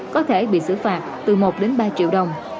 có thể bị xử phạt từ một đến ba triệu đồng